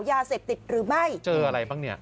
ยาเสพติดหรือไม่เจออะไรบ้างเนี่ย